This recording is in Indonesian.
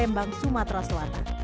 di lembang sumatera selatan